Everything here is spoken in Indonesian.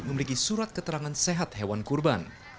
memiliki surat keterangan sehat hewan kurban